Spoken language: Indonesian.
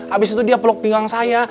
habis itu dia peluk pinggang saya